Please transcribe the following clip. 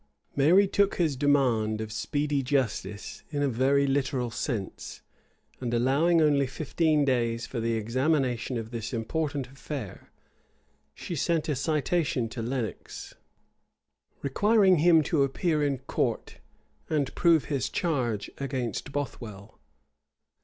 jpg MARY STUART] Mary took his demand of speedy justice in a very literal sense, and allowing only fifteen days for the examination of this important affair, she sent a citation to Lenox, requiring him to appear in court, and prove his charge against Bothwell.